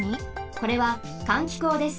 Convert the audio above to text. これは換気口です。